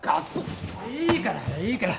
いいから！